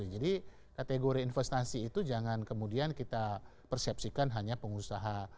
jadi kategori investasi itu jangan kemudian kita persepsikan hanya pengusaha